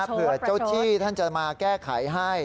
เจ้าที่ท่านจะมาแก้ไขให้